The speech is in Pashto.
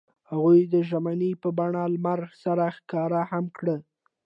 هغوی د ژمنې په بڼه لمر سره ښکاره هم کړه.